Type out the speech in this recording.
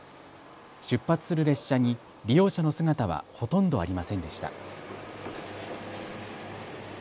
出発する列車に利用者の姿はほとんどありませんでした。